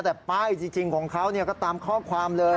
แต่ป้ายคนเองก็ตามข้อความเลย